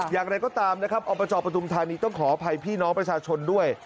อย่างไรก็ตามอประจอบประธุมธรรมนี้ต้องขออภัยพี่น้องประชาชนด้วย